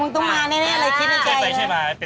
เขาก็มาช่วยเรามาช่วยซับช่วยเสิร์ฟ